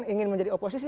ingin menjadi oposisi